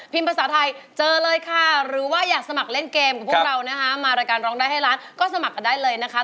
ภาษาไทยเจอเลยค่ะหรือว่าอยากสมัครเล่นเกมกับพวกเรานะคะมารายการร้องได้ให้ร้านก็สมัครกันได้เลยนะคะ